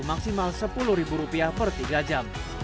maksimal sepuluh ribu rupiah per tiga jam